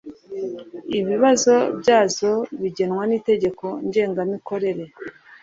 ibibazo byazo bigenwa n Itegeko Ngengamikorere